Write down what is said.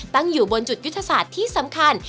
ตั้งอยู่บนจุดยุทธศาสตร์ที่สำคัญ